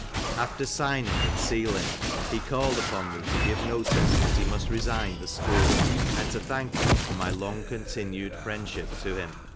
After signing and sealing, he called upon mc to give notice that he must resign the school, and to thank me for my long continued friendship to him.